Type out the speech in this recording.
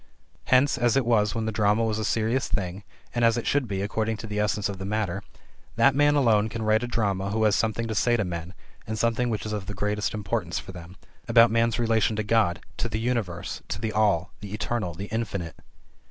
Hence as it was when the drama was a serious thing, and as it should be according to the essence of the matter that man alone can write a drama who has something to say to men, and something which is of the greatest importance for them: about man's relation to God, to the Universe, to the All, the Eternal, the Infinite.